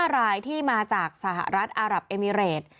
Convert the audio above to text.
๕รายที่มาจากสหรัฐอารับเอมิเรต